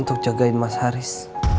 untuk jagain mas haris